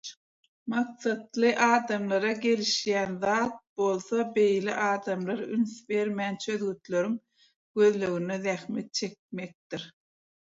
Maksatly adamlara gelişýän zat bolsa beýle adamlara üns bermän çözgütleriň gözleginde zähmet çekmekdir.